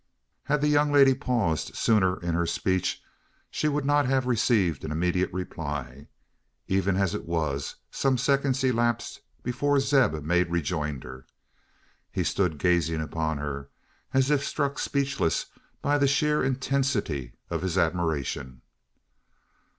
Had the young lady paused sooner in her speech, she would not have received an immediate reply. Even as it was, some seconds elapsed before Zeb made rejoinder. He stood gazing upon her, as if struck speechless by the sheer intensity of his admiration.